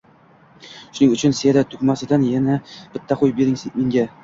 shuning uchun Seda tugmasidan yana bitta qo‘yib bering menga